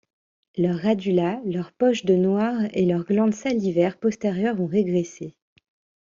Leur radula, leur poche de noir et leurs glandes salivaires postérieures ont régressé.